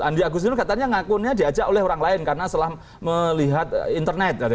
andi agustin katanya ngakunya diajak oleh orang lain karena setelah melihat internet